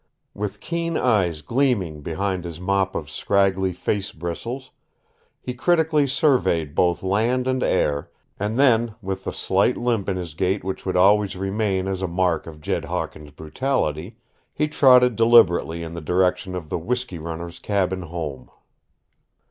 With keen eyes gleaming behind his mop of scraggly face bristles he critically surveyed both land and air, and then, with the slight limp in his gait which would always remain as a mark of Jed Hawkins' brutality, he trotted deliberately in the direction of the whiskey runner's cabin home.